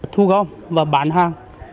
thu gom và bán hàng